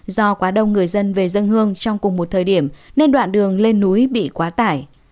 do quá đông người dân về dân hương trong cùng một thời điểm nên đoạn đường lên núi bị quá tải